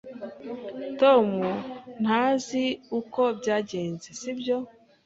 Tom ntazi uko byagenze, sibyo?